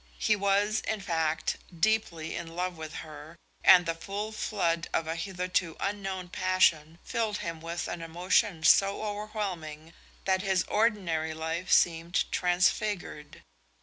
He was, in fact, deeply in love with her, and the full flood of a hitherto unknown passion filled him with an emotion so overwhelming that his ordinary life seemed transfigured.